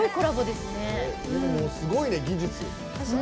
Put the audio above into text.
すごいね、技術！